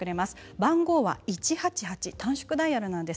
番号は１８８短縮ダイヤルです。